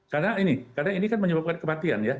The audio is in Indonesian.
karena ini kan menyebabkan kematian ya